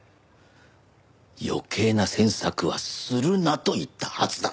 余計な詮索はするなと言ったはずだ。